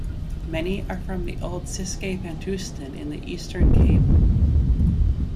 Many are from the old Ciskei bantustan in the Eastern Cape.